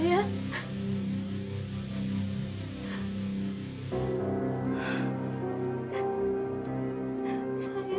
saya cuma kangen nama mas hendrik kak